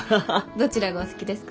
どちらがお好きですか？